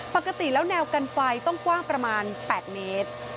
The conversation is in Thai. ปกติแล้วแนวกันไฟต้องกว้างประมาณ๘เมตร